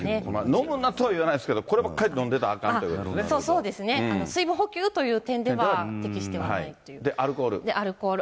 飲むなと言わないですけど、こればっかり飲んでたらあかんとそうですね、水分補給というアルコール。